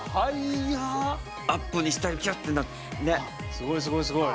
すごいすごいすごい。